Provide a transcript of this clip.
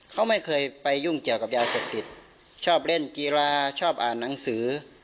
เขาไม่เคยไปยุ่งเกี่ยวกับยาเสพติดชอบเล่นกีฬาชอบอ่านหนังสือ